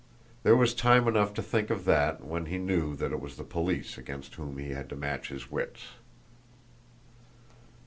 There was time enough to think of that when he knew that it was the police against whom he had to match his wits.